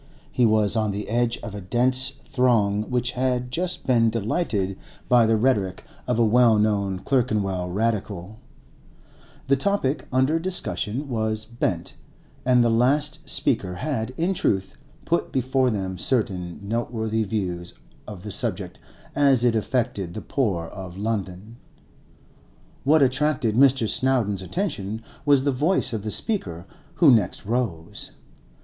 He was on the edge of a dense throng which had just been delighted by the rhetoric of a well known Clerkenwell Radical; the topic under discussion was Bent, and the last speaker had, in truth, put before them certain noteworthy views of the subject as it affected the poor of London. What attracted Mr. Snowdon's attention was the voice of the speaker who next rose.